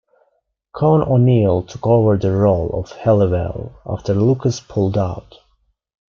Con O'Neill took over the role of Halliwell after Lucas pulled out.